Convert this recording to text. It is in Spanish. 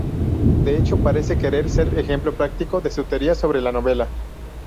De hecho, parece querer ser el ejemplo práctico de su teoría sobre la novela.